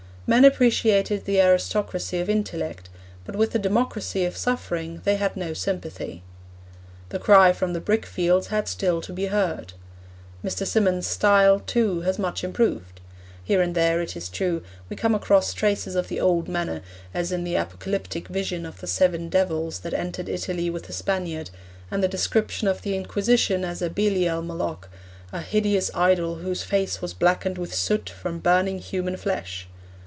Men appreciated the aristocracy of intellect, but with the democracy of suffering they had no sympathy. The cry from the brickfields had still to be heard. Mr. Symonds' style, too, has much improved. Here and there, it is true, we come across traces of the old manner, as in the apocalyptic vision of the seven devils that entered Italy with the Spaniard, and the description of the Inquisition as a Belial Moloch, a 'hideous idol whose face was blackened with soot from burning human flesh.'